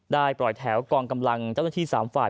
ปล่อยแถวกองกำลังเจ้าหน้าที่๓ฝ่าย